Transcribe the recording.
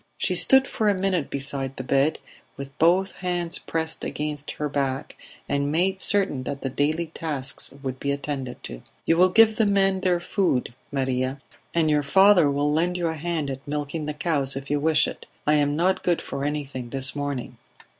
She stood for a minute beside the bed, with both hands pressed against her back, and made certain that the daily tasks would be attended to. "You will give the men their food, Maria, and your father will lend you a hand at milking the cows if you wish it. I am not good for anything this morning."